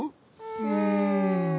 うん。